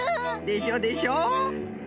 でしょでしょ。